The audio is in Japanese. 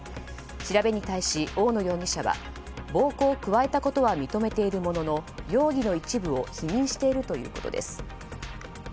調べに対し、大野容疑者は暴行を加えたことは認めているものの容疑の一部を否認しているということです。